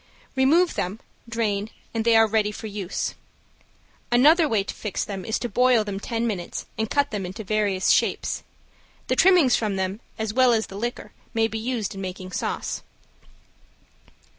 Remove them, drain, and they are ready for use. Another way to fix them is to boil them ten minutes and cut them into various shapes. The trimmings from them as well as the liquor may be used in making sauce.